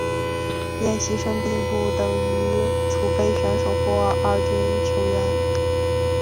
练习生并不等于储备选手或二军球员。